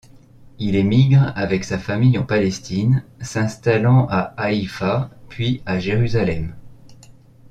Il émigre avec sa famille en Palestine, s'installant à Haïfa, puis à Jérusalem.